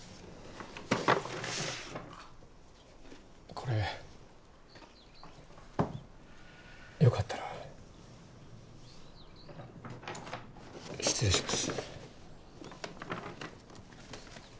これよかったら失礼します